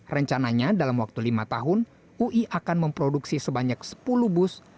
rencananya dalam waktu lima tahun ui akan memproduksi sebanyak sepuluh bus